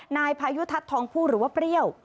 นายพายุทัศน์ทองผู้หรือว่าเปรี้ยว